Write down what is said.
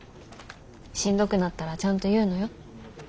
しんどくなったらちゃんと言うのよ。